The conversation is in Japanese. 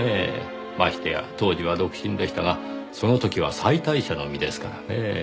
ましてや当時は独身でしたがその時は妻帯者の身ですからねぇ。